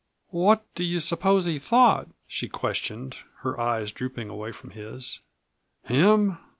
"What do you suppose he thought?" she questioned, her eyes drooping away from his. "Him?"